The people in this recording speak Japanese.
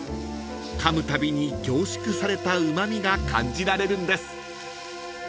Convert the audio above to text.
［かむたびに凝縮されたうま味が感じられるんです］